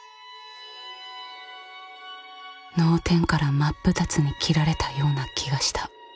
脳天から真っ二つに斬られたような気がした。